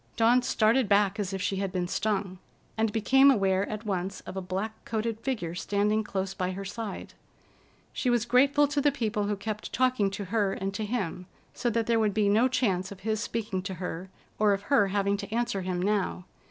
Dawn started back as if she had been stung, and became aware at once of a black coated figure standing close by her side. She was grateful to the people who kept talking to her and to him, so that there would be no chance of his speaking to her, or of her having to answer him now.